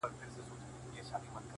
اوس مي د زړه زړگى په وينو ســور دى،